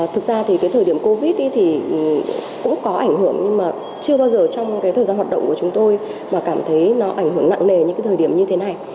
thực ra thì cái thời điểm covid thì cũng có ảnh hưởng nhưng mà chưa bao giờ trong cái thời gian hoạt động của chúng tôi mà cảm thấy nó ảnh hưởng nặng nề những cái thời điểm như thế này